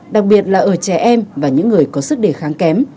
một trẻ em và những người có sức đề kháng kém